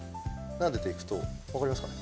なでていくとわかりますか？